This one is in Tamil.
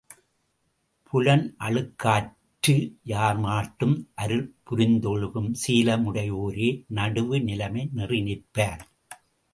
புலனழுக்கற்று யார்மாட்டும் அருள்புரிந்தொழுகும் சீலமுடையோரே நடுவுநிலை நெறி நிற்பர்.